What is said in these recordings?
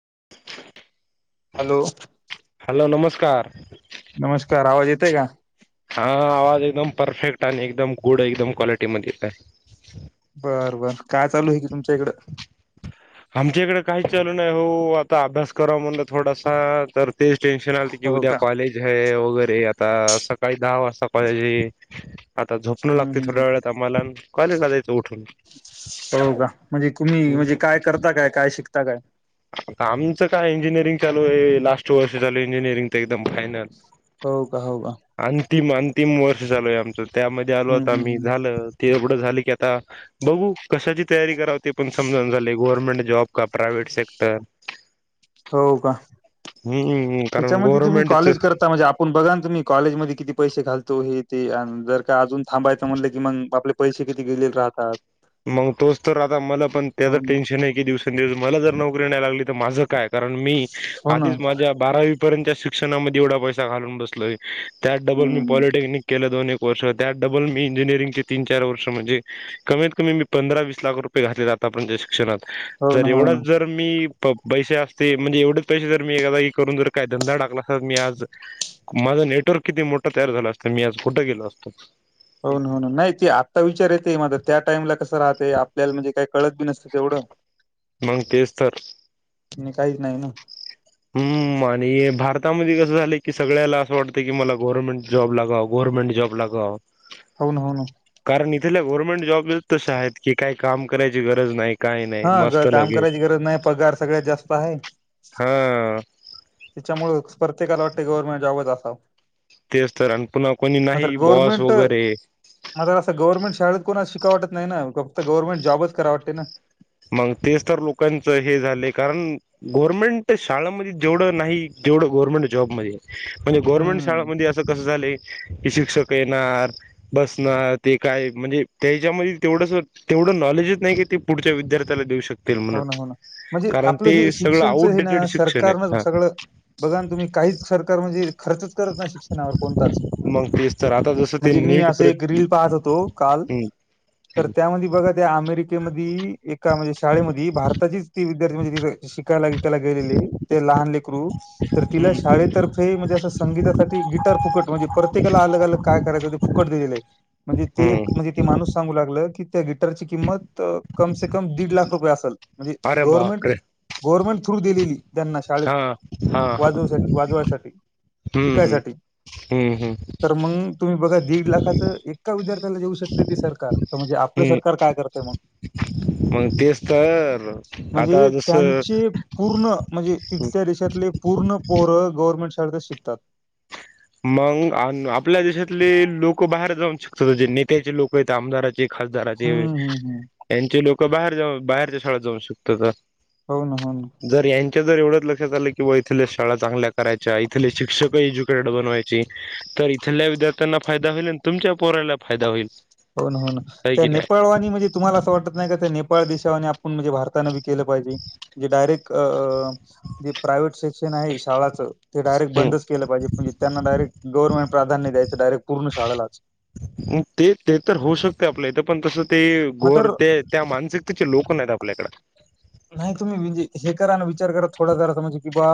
[inaudible] Hello hello नमस्कार नमस्कार आवाज येतोय का हा आवाज एकदम परफेक्ट आणि एकदम गुड एकदम क्वालिटी मध्ये येत. बर बर काय चालू आहे की तुमच्या इकडं. आमच्या इकडे काही चालू नाही हो आता अभ्यास करावा म्हणलं थोडासा तर तेच टेन्शन आलंते की हो उद्या का कॉलेज हे वगैरे आता सकाळी दहा वाजता सकाळी आता झोपणं हम्म लागते हम्म थोड्या वेळात मला कॉलेजला जायचं उठून हो का म्हणजे तुम्ही म्हणजे काय करता काय काय शिकता काय आमचं काय इंजिनिअरिंग चालू आहे लास्ट वर्ष चालू इंजिनिअरिंग तर एकदम फायनल हो का हो का अंतिम अंतिम वर्ष चालूय आमचं त्यामध्ये आलो हम्म आता हम्म आम्ही हम्म. झालं ते एवढं झाले की आता बघू कशाची तयारी करावं ते पण समजना झालंय गव्हर्नमेंट जॉब का प्रायवेट सेक्टर हो का हम्म कारण त्याच्यामध्ये तुम्ही गव्हर्नमेंटच कॉलेज करता म्हणजे आपण बघा ना तुम्ही कॉलेज मध्ये किती पैसे घालतो हे ते अन जर का अजून थांबायचं म्हटलं की मग आपले पैसे किती गेलेले राहतात मग तोच तर आता मला पण त्याच हो ना टेन्शन हे की दिवसेंदिवस मला जर नोकरी नाय लागली तर माझं काय कारण मी हो ना आधीच माझ्या बारावी पर्यंतच्या शिक्षणामध्ये एवढा पैसा घालून बसलोय त्यात डबल मी हम्म पॉलटेक्निक केलं दोन् त्यात डबल मी इंजीनियरिंग चे तीन-चार वर्ष म्हणजे कमीत कमी मी पंधरा वीस लाख रुपये घातलेत आतापर्यंतच्या शिक्षणात हो जर ना हो ना एवढचं जर मी पैसे असते म्हणजे एवढेच पैसे जर मी एखादा करून जर काय धंदा टाकला अस तर मी आज. नेटवर्क किती मोठा तयार झाला असं मी आज कुठं गेलो असतो. होन हो नाही ते आत्ता विचार येत माझ त्या टाइमला कस. राहते आपल्याला म्हणजे काही कळत बी नसते तेवढं. मग तेज तरर आणि काहीच नाही ना हम्म आणि भारत. आतामध्ये कसं झाले की सगळ्याला असं वाटतं की मला गव्हर्नमेंट जॉब लागव गव्हनमेंट जॉब लागाव. होन होन कारण इथेल्या गव्हर्नमेंट जॉब तस आहेत की काही काम करायची गरज नाही. काही नाही हा मस्त काम लगे करायची गरज नाही पगार सगळ्यात जास्त आहे. हा. त्याच्यामुळं प्रत्येकाला वाटते गव्हर्नमेंट जॉबच असावं. तेच तर आणि पुन्हा कोणी म्र नाही बॉस गवर्मेंट वगैरे म्र असं गवर्मेंट शाळेत कोणा वाटत नाही ना फक्त गव्हर्मेट जॉबच करावटते ना. मग तेच तर लोकांच हे झालं कारण गव्हर्मेंट शाळमध्ये जेवढं नाही. जेवढं गव्हर्मेंट जॉबमध्ये म्हणजे गव्हर्मेंट हम्म शाळामध्ये असं कसं झा आहे. शिक्षक येणार बसणार ते काय म्हणजे त्याच्यामध्ये तेवढ ते पुढ नॉलेजच नाहीी तेी पुढच्या विद्याथ्याला देऊ शकते. हो ना हो ना म्हणजे आपलं हे सगळं शिक्षणच हे ना आउटडेटेड शिक्षण सरकारन आहे हा सगळं बघा तुम्ही का? काहीच सरकार म्हणजे खर्चच करत ना शिक्षणावर कोणताच मग तेच तर आता जसं ते म्हणजे मी नीट असं एक प्रेप रील पाहत होतो काल तर त्यामध्ये बघा त्या अमेरिकेमध्ये एका म्हणजे विथमध्ये शिकायलागे लहान लेकर तिला हम्म शाळेत तर्फे म्हणजे संगीतासाठी गिटार फुकट म्हणजे प्रत्येकाला अलग अलग काय करायचं ते फुकट दिलेलं आहे म्हणजे ते एक म्हणजे ते माणूस सांगू लागलं क त्या गिटरची किंमत कमसे कम दीड लाख रुपये असल म्हणजे अरे गव्हर्नमेंट बापरे गव्हर्मेंट थ्रु दिलेली त्यांना हा शाळेत हा हा वाजवसाठी वाजवायसाठी हम्म हम्म शिकायसाठी हम्म हम्म तर मग तुम्ही बघा दीड लाखाच एका विद्यार्थ ऊ शकते ती सरकार तर म्हणजे आपलं हम्म सरकार काय करतंय. मग तेच तर आता म्हणजे जसं त्यांचे पूर्ण म्हणजे तिथल्या देशातले पूर्ण पूरं गव्हर्नमेंट शाळेतच शिकतात. मग आपल्या देशातले लोक बाहेर जाऊन शकतात जे नेत्याचे लोक आहेत आमदाराचे खासदाराचे हम्म हम्म हम्म. यांचे लोक बाहेर जाऊन बाहेरच्या शाळेत जाऊन शकतात तर हो ना हो ना. जर एवढं लक्षात आलं की बाबा इथल्या शाळा चांगल्या करायच्या इथले शिक्षक एज्युकेट बनवायची तर इथल्या विद्यार्थ्यांना फायदा होईल आणि तुमच्या पोराला फायदा होईल. होन होन आहे त्या की नेपाळवाणी म्हणजे तुम्हाला असं वाटत नाही का त्या नेपाळ देशावानी आपण म्हणजे भारतानं विक केलं पाहिजे म्हणे डायरेक्ट. प्रायव्हेट सेक्शन आहे शाळाचं ते डायरेक्ट नाही बंदच केलं पाहिजे म्हणजे त्यांना डायरेक्ट गव्हर्मेंट प्रधान्य द्यायं डायेक्ट पर्ण शाळेलाच. म तेच ते तर होऊ शकते आपल्या इथं पण तसं ते मग गोर तर ते त्या मानसिकतेचे लोक नाही आहेत आपल्याकड नाही तुम्ही म्हणजे हे करा ना विचार करा थोडा जरा म्हणजे कि बा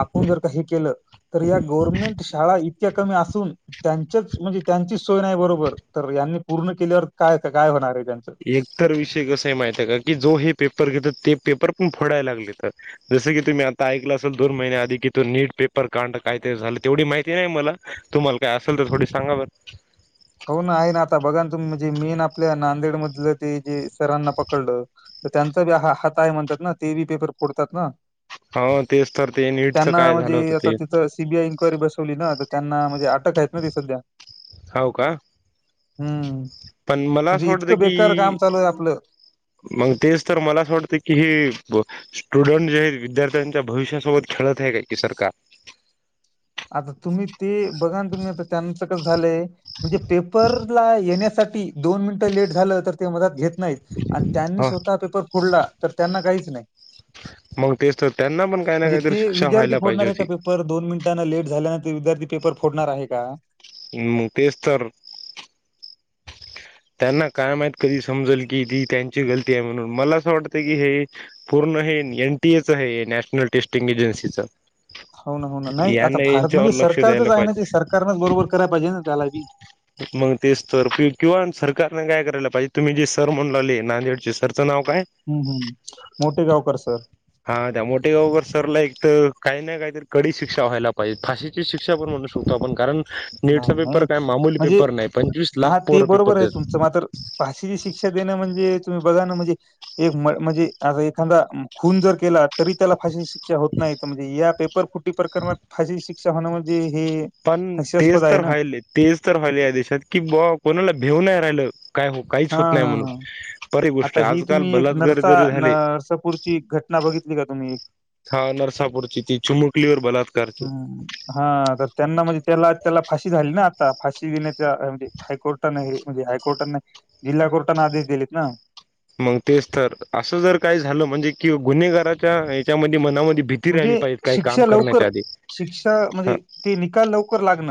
आपण जर का हे केलं तर या गव्हर्नमेंट शाळा इक्या कमी असून त्यांच्याच म्हणजे त्यांचीच सोय नाही बरोबर तर पूर्ण केल्यावर काय काय होणार आहे. त्यांचं? एकतर विषय कस आहे माहित आहे का की जो हे पेपर घेतात. ते पेपर पण फोडाय लागले तर जसं की तुम्ही आता ऐकलं असेल दोन महिन्या आधी की तो नीट पेपर काां काय ते झालं तेवढी माहिती नाही मला तुम्हाला काय असेल तर थोडी सांगा बर. हो ना, आहे ना, आता बघा ना तुम्हीणजे मेन आपल्या नांदेड मधलं ते जे सरांना पकडलं. तर त्यांचा वी ह हातय म्हणतात ना ते बी पेपर फोडतात ना? हो तेच तर ते नीटचं त्यांना काय झालं म्हणजे होतं आता ते तिथ सीबीआय इनक्वायरी बसवली ना? त्यांना म्हणजे अटक आहेत ना ती सध्या, होव का हं. पण मला असं म्हणजे वाटतं इतकं बेकार की, काम चालू आहे आपलं. मग तेच तर मला असं वाटत की हे, स्टुडंट जे आहेत विद्यार्थ्यांच्या भविष्यासोबत खेळत आहे काय कि सरकार, आता तुम्ही ते बघा तुम्ही आता त्यांच क ण पेपर येण्या दोन मिनिटे लेट झाल ते मदत नाहीत आणि त्यांनी ह स्वतः पेपर फोडला तर त्यांना काहीच नाही. मग तेच तर त्यांना पण काही ना म्हणजे काहीतरी ते शिक्षा विद्यार्थी व्हायला पाहिजे फोडणार आहे का होती पेपर दोन मिनट लेट झाल्यानंतर विद्यार्थी पेपर फोडणार आहे का? ह् तेच तर. त्यांना कायम आहेत कधी समजल की ती त्यांची गलती आहे, म्हणून मला असं वाटतं की हे पूर्ण एनटीए च आहे नॅशनल टेस्टिंग एजन्सीच. ह हो ना, हो ना, नाही आता यांना भारत यांच्यावर म्हणजे लक्ष द्यायला सरकारचच आहे ना पाहिजे सरकारनच बरोबर कराय पाहिजे ना. त्याला मग ते सतर किंवा सरकारने काय करायला पाहिजे, तुम्ही जे सर म्हणू लावले नांदेडचे सर नाव काय हम्म हम्म मोठे गावकर सर हा त्या मोठे गाव सरला एक तर काही ना काहीतरी कडी शिक्षा व्हायला पाहिजे फाशीची शिक्षा पण म्हणू शकतो, आपण कारण नीटचा नाही पेपर नाही काय मामूली पेपर नाही, पंचवीस लाख पोर पेपर देत तुम म्रची फाशीची शिकषा देणं म्हणजे, बघा ना म्हणजे एक म्हणजे आ एखादा खून जर केला तरी त्याला फाशी शिक्षा होत नाही. म्हणजे या पेपर फुटी प्रकरणात फशी शिक्षा होणं म्हणजे हे, पण तेच हास्यास्पद आहे तर ना व्हायल तेच तर व्हायले या देशात कि ब कोणाला भेऊ नाही राहिलं. काय हो काहीच हा होत नाही हा म्हणून हा बरीे गोष्ट आता ही आजकाल तुम्ही एक बलात्कार नरसा जरी झाले. नरसापूरची घटना बघितली का तुम्ही, हा नरसापूरची ती चुमुकली वर बलात हम! हा तर त्यांना म्हणजे त्याला त्याला फाशी झाली ना आता फाशी देण्याच्याजे हायकोर्टाने हे म्हजे हायकोर्टाने जिल्हा कोर्टाना आदेश दिलेत ना! मग तेच तर असं जर काय झालं म्हणजे कि गुन्हेगाराच्या, याच्यामध्ये मनामध्ये भीती राहिली म्हणजे पाहिजे काही काम शिक्षा लवकर करण्याच्या आधी शिक्षा हा म्हणजे ते निकाल लवकर. लागण.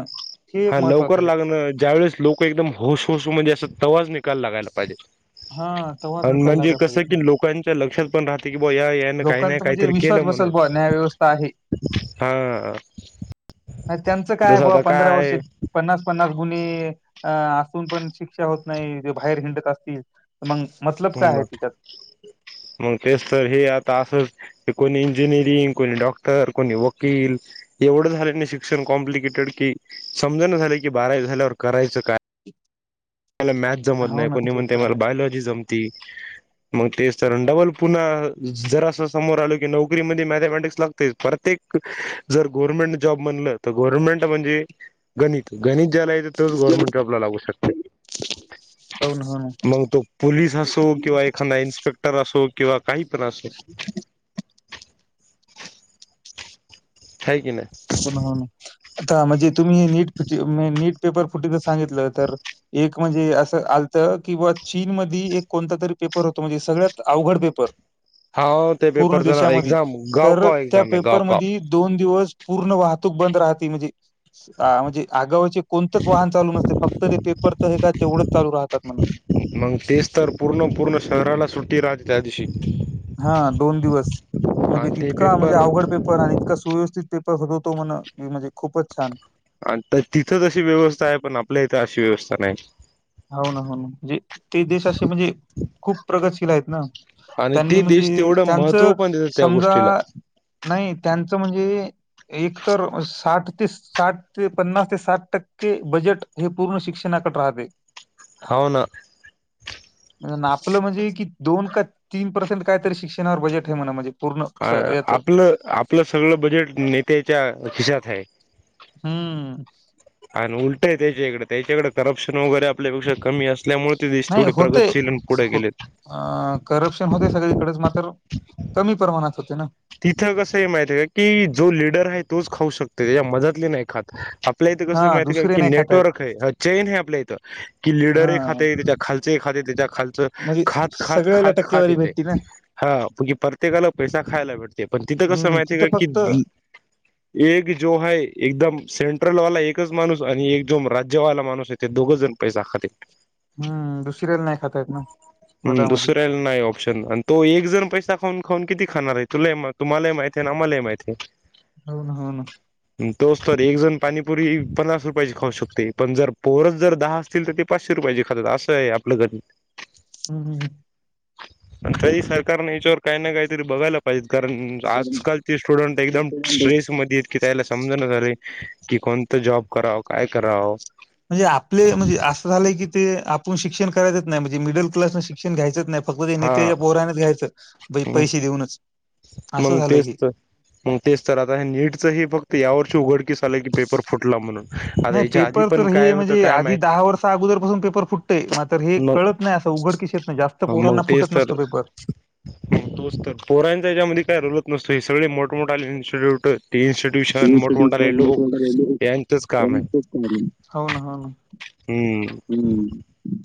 हा लवकर लागणं ज्या वेळेस लोक एकदम होसहस म्हणजे अस तवाज निकाल लागायला पाहिजे. हा तेव्हाच अ निकाल म्हणजे लागाय कसं पाहिजे की लोकांच्या लक्षात ति की बुवा या यानी कायी नाही लोकांचा म्हणजे काहीतर केलं विश्वास बसल म्हणून बुवा न्याय व्यवस्था आहे. हा. त्यांचं काय जसं बुवा आता पंधरा वर्षी काय पन्नास पन्नास गुन्हे अ असून पण शिक्षा होत नाही बाहेर खिंडत असतील मंग बर म तेच त हे ॲ त आसच कोणी इंजिनिअरिंग, कोणी डॉक्टर, कोणी वकील एवढं झाल कणी शिक्षण कॉम्प्लिकेटेडके समजना झालय की बारावी झाल्यावर करायचं काय? ला मॅथ जमत हो नाही ना कोणी ते म्हणते तर मला आहेच. बायोलॉजी जमती मग तेच तर डबल पुन्हा ज अस समोर आलो की नोकरीमध्ये मॅथमॅटिक्स लागतच परतेक जर गव्हर्मेंट जॉब म्हणल तर गोरमेंट म्हणजे गणित गणि ज्याला येतो गव्हर्मेंट जॉब लागू शकते. हो ना हो ना मग तो पुलीस असो किंवा एखादा इंस्पेक्टर असो किंवा काही तर असो आहे की नाही हो ना हो ना आता म्हणजे तुम्ही हे नीट फुटी नीट पेपर फुटीच सांगितलं तर एक म्हणजे असं आल त किंवा चीन मधी एक कोणता तरी पेपर होतो म्हणजे सगळ्यात अवघड पेपर हाव त्या पूर्ण पेपरचा ना देशामध्ये एक्झाम तर गावकाव त्या एक्झाम आहे गावकाव पेपरमध्ये दोन दिवस पूर्ण वाहतूक बंद राहती म्हणजी आ म्हणजी आगावाचे कोणतंच वाहन चालू नसते फक त पेपरचं हे का तेवढं चालू राहतात म्हण मग तेच तर पूर्ण पूर्ण शहराला सुट्टी राहत त्या दिशी हा दोन दिवस म्हणजे आणि ते इतका म्हणजे पेपर अवघड पेपर आणि इतका सुव्यवस्थित पेप पर हो तो म्हण की म्हणजे खुपच छान आता तिथं जशी व्यवस्था हाय पण आपल्या इथ अशी व्यवस्था नाय. हा हो ना म्हणून ते देश अशे म्हणजे खूप प्रगतशील आहेत ना. आणि त्यांनी ते देश म्हणजे तेवढं त्यांचं महत्त्व पण देतात त्या समजा गोष्टीला नाही त्यांचं म्हणजे एक तर साठ ते साठ ते पन्नास ते साठ टक्के बजेट हे पूर्ण शिक क्षणाकड रहावे हाव ना अन आपलं म्हणजी की दोन क तीन पर्सेंट काय तरी शिक्षणावर बजेट आहे म्हण म्हणजे पूर्ण काय याच आपलं आपलं सगळ बजेट नेत्याच्या खिशात हाय हम्म आन उलटंय त्याच्याकडे त्याच्याकडे करप्शन वगैरे आपल्यापेक्ष कमी अस नाही होतय हो अ करप्शन होतय सगळीकडच मात्र कमी प्रमाणात होते ना तिथं कसं आहे माहिती आहे का की जो लिडर आहे तोच खाऊ शकतो त्याच्या मदतली नाही खात आपल्या इथं हा कसं माहती दुसरे की नाही खातायत नेटवर्क हे चेन हेय आपल्या इथं कि हा लिडर एक खातय ते खाते तेच्या क खालच म्हणजे खात खात सगळ्याला खात खात टक्केवारी येतय भेटती ना हा परतेकाला पैसा खायला भेट पण तिथं कसं हम्म माहितीय तिथं का की फक्त धी एक जो है एकदम सेंट्रल वाला एक माणूस आणि एक जो राज्यवाला माणूस आहे ते दोघच जण पैसा खाते हम्म दुसऱ्याला नाही खातायेत ना हम्म, मधामधी दुसऱ्याला नाही ऑप्शन आणि तो एक जण पैसा खाऊन खऊन किती खाणारे तुले म तुम्हाले माहिते ना मले माहिते हो ना हो ना तोच तर एक जण पाणीपुरी पन्नास रुपयेची खाऊ शकते पण जर पोरच जर दहा असतील तर ते पाशे रुपये ची खातात असय आपलं गणि हम्म हम्म हम्म पण तरी सरकारने ह्याच्यावर काही ना काहीतरी बघायला पाहिजेत कारण आजकालचे स्टुडंट एकदम कारण स्ट्रेसमध्येत की त्याला समजण झाले की कोण त जॉब कराव काय कराव. म्हणजे आपले म्हणजे असं झालंय की. ते आपण शिक्षण करायच नाही म्हणजे मिडल क्लास न शिक्षण घ्यायच नाही फक्त ते हा नेत्याच्या पोऱ्याच घ्यायचं. बई पैसे देऊनच. असं मग झालंय तेच हे. तर मग तेच तर आता हे नीटच हे फक्त या वर्षी उघडकीस. ल की पेपर फुटला म्हणून आता नाही याच्या आधी पेपर तर पण हे काय होतं म्हणजे काय आधी माहित. वर्ष अगोदरपासून पेपर फुटतंय. मात्र हे मग कळत नाही असं उघडकीस येत नाही. जास्त मग पोरांना तेच फुटत तर नसतो पेपर. मग तोच तर पोरायचा त्याच्यामध्ये काय रोलत नसतो हे सगळे मोठ मोठ इंस्टिट्यूट [inaudible] यांचंच काम आहे हम्म हम्म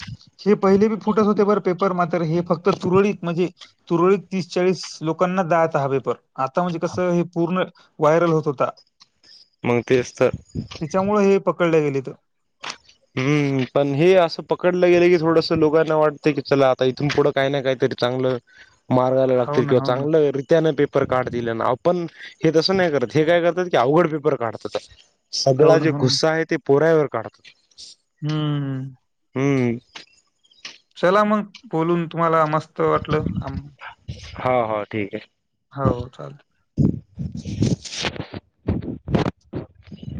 हे पहिली बी फुटत होते बर पेपर मात्र हे फक्त तुरलित म्हणजे तुरलीत तीस चाळीस लोकांना दा हा पेपर आता म्हणजे कस हे पूर्ण व्हायरल होत होता मग तेच तर कळ्या गेल त हम् पण हे असं पकडलं गेले की थोडस लोकांना वाटतं की चला आता इथून पुढं काय ना कायतरी चागल मारायला हो ना लागतील हो ना चांगलरित्या न पेपर काढतील पण हे तसं नाही करत हे काय करतात की अवघड पेपर काढतात हो सगळा ना जे हो ना गुस्सा आहे ते पोरवावर काढतात हम्म हम चला मग बोलून तुम्हाला मस्त वाटलं हो हो ठीक आहे हो चाल [unintelligible]